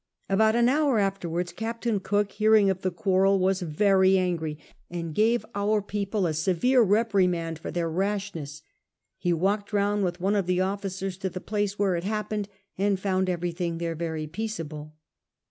About au hour afterwards Captain Cook, hearing of the quarrel, Wius very' angry, and gave our people a severe repri mand for their rashness ; he walked round with one of the officers to the place where it happened, and found everything there very jieaceablc.